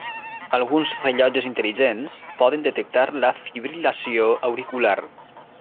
Alguns rellotges intel·ligents poden detectar la fibril·lació auricular.